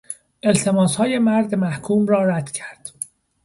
التماسهای مرد محکوم را رد کرد.